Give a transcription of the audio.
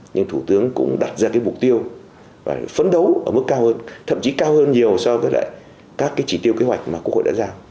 nhưng thủ tướng cũng đặt ra cái mục tiêu và phấn đấu ở mức cao hơn thậm chí cao hơn nhiều so với lại các cái chỉ tiêu kế hoạch mà quốc hội đã giao